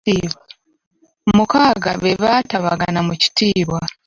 Mukaaga be baatabagana mu kitiibwa.